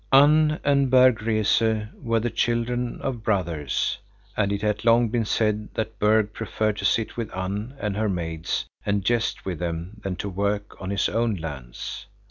Unn and Berg Rese were the children of brothers, and it had long been said that Berg preferred to sit with Unn and her maids and jest with them than to work on his own lands.